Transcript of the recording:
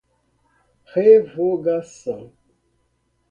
revogação